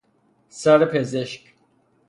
سر پزشک